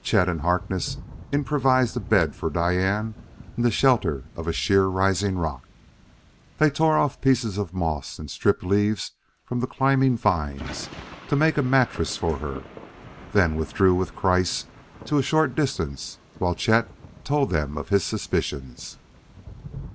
Chet and Harkness improvised a bed for Diane in the shelter of a sheer rising rock. They tore off pieces of moss and stripped leaves from the climbing vines to make a mattress for her; then withdrew with Kreiss to a short distance while Chet told them of his suspicions.